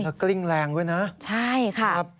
แล้วกลิ้งแรงด้วยนะใช่ค่ะ